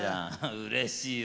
うれしいわ。